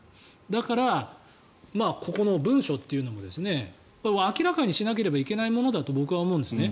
だから、ここの文書というのも明らかにしなければいけないものだと僕は思うんですね。